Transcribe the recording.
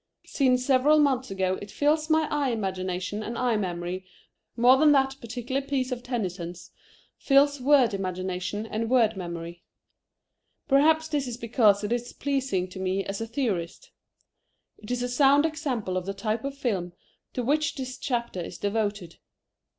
Seen several months ago it fills my eye imagination and eye memory more than that particular piece of Tennyson's fills word imagination and word memory. Perhaps this is because it is pleasing to me as a theorist. It is a sound example of the type of film to which this chapter is devoted.